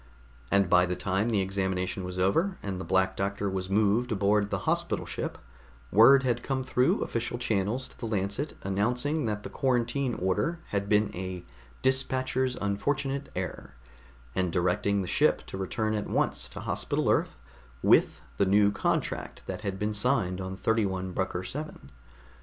And by the time the examination was over and the Black Doctor was moved aboard the hospital ship, word had come through official channels to the Lancet announcing that the quarantine order had been a dispatcher's unfortunate error, and directing the ship to return at once to Hospital Earth with the new contract that had been signed on 31 Brucker VII.